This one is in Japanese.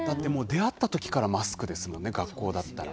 出会ったときからマスクですものね、学校だったら。